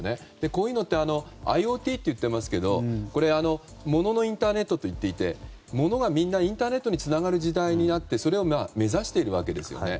こういうのってＩｏＴって言いますがモノのインターネットといっていてモノがみんなインターネットにつながる時代になることを目指しているわけですよね。